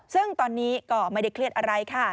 ซึ่งตอนนี้ก็ไม่ได้เครียดอะไรค่ะ